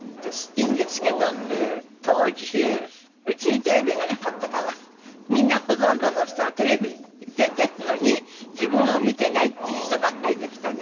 いいんですけど当時うちにテレビがなかったからみんなほとんどの人がテレビ出てるのに自分を見てないって人ばっかりでしたね。